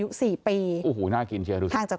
สวัสดีคุณผู้ชายสวัสดีคุณผู้ชาย